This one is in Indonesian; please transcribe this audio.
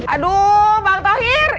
aduh bang thohir